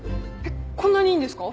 こんなにいいんですか？